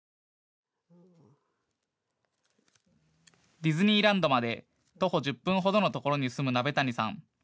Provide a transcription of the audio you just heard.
ディズニーランドまで徒歩１０分程のところに住む鍋谷さん。